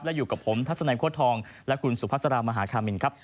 และอยู่กับผมทัศนัยโค้ดทองและคุณสุภาษารามหาคามินครับ